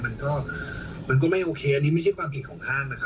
มันก็มันก็ไม่โอเคอันนี้ไม่ใช่ความผิดของห้างนะครับ